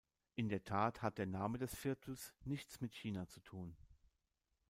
In der Tat hat der Name des Viertels nichts mit China zu tun.